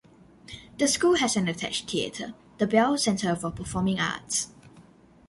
The school has an attached theatre, The Bell Centre For Performing Arts.